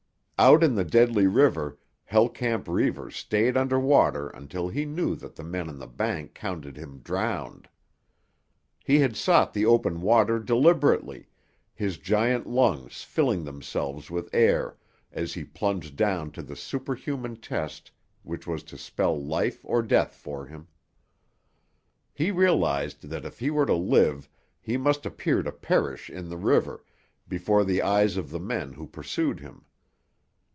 Out in the deadly river, Hell Camp Reivers stayed under water until he knew that the men on the bank counted him drowned. He had sought the open water deliberately, his giant lungs filling themselves with air as he plunged down to the superhuman test which was to spell life or death for him. He realised that if he were to live he must appear to perish in the river, before the eyes of the men who pursued him.